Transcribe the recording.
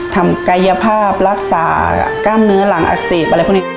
ทำกายภาพรักษากล้ามเนื้อหลังอักเสบอะไรพวกนี้